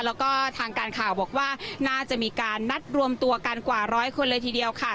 แล้วก็ทางการข่าวบอกว่าน่าจะมีการนัดรวมตัวกันกว่าร้อยคนเลยทีเดียวค่ะ